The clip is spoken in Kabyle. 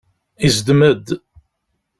Izdem-d.